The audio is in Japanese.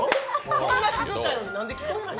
こんな静かやのになんで聞こえない？